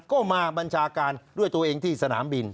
ก็มาบัญชาการด้วยตัวเองที่สนามบิน